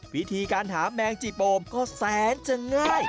วิธีการหาแมงจีโปมก็แสนจะง่าย